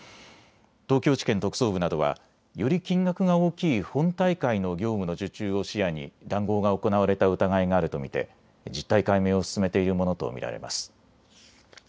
東京地検特捜部などはより金額が大きい本大会の業務の受注を視野に談合が行われた疑いがあると見て実態解明を進めているものと見られます。